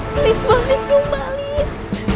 please balik dong balik